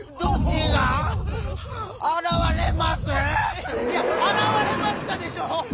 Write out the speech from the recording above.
いや「あらわれました」でしょ。